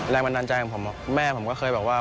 แรงบันดาลใจของผมแม่ผมก็เคยบอกว่า